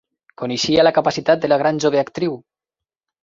Coneixia la capacitat de la gran jove actriu.